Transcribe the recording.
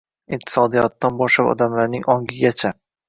Iqtisodiyotdan boshlab odamlarning ongigacha